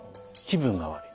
気分が悪い。